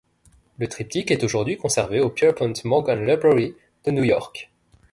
Le triptyque est aujourd'hui conservé au Pierpont Morgan Library de New York.